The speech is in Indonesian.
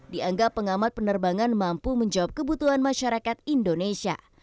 dianggap pengamat penerbangan mampu menjawab kebutuhan masyarakat indonesia